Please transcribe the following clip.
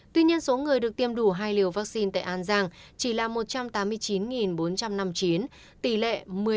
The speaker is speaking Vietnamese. tuy nhiên số người được tiêm đủ hai liều vaccine tại an giang chỉ là một trăm tám mươi chín bốn trăm năm mươi chín tỷ lệ một mươi ba